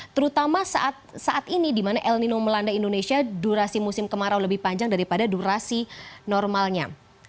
terutama saat ini di mana el nino melanda indonesia durasi musim kemarau lebih panjang daripada durasi normalnya